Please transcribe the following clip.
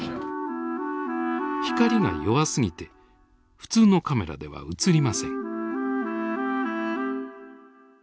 光が弱すぎて普通のカメラでは映りません。